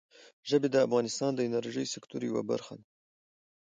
ژبې د افغانستان د انرژۍ سکتور یوه برخه ده.